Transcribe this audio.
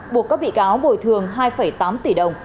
buộc các bị cáo bồi thường hai tám tỷ đồng